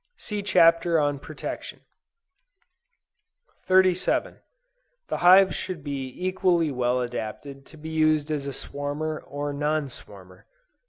(See Chapter on Protection.) 37. The hive should be equally well adapted to be used as a swarmer, or non swarmer.